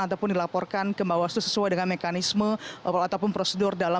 ataupun dilaporkan kembali sesuai dengan mekanisme ataupun prosedur dalam